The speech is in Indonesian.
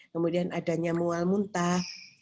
kemudian adanya mual muntah